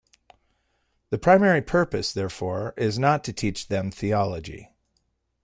The primary purpose, therefore, is not to teach them theology.